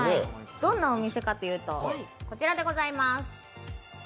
どんなお店かというと、こちらでございます。